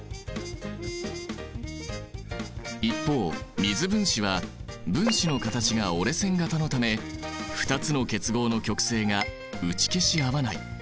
一方水分子は分子の形が折れ線形のため２つの結合の極性が打ち消し合わない。